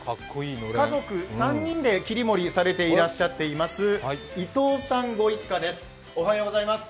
家族３人で切り盛りされていらっしゃっています伊藤さんご一家です。